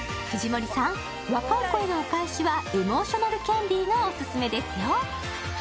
藤森さん、若い子へのお返しは、エモーショナルキャンディーがオススメですよ。